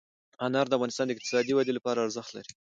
انار د افغانستان د اقتصادي ودې لپاره ارزښت لري.